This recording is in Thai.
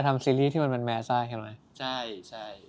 ทำซีรีส์ที่มันแมสได้เห็นไหม